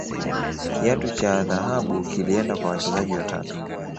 kiatu cha dhahabu kilienda kwa wachezaji watatu